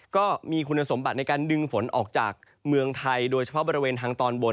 ก็มีคุณสมบัติในการดึงฝนออกจากเมืองไทยโดยเฉพาะบริเวณทางตอนบน